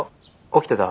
起きてた？